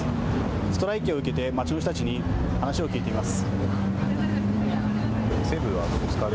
ストライキを受けて街の人たちに話を聞いてみます。